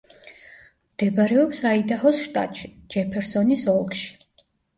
მდებარეობს აიდაჰოს შტატში, ჯეფერსონის ოლქში.